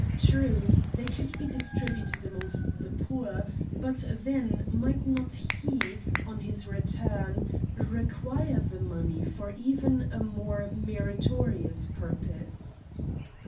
True, they could be distributed amongst the poor, but then, might not he, on his return, require the money for even a more meritorious purpose?